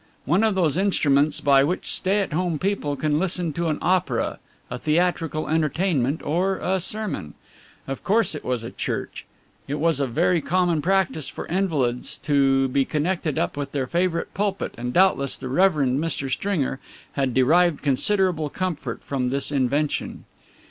One of those instruments by which stay at home people can listen to an opera, a theatrical entertainment or a sermon. Of course it was a church. It was a very common practice for invalids to be connected up with their favourite pulpit, and doubtless the Rev. Mr. Stringer had derived considerable comfort from this invention.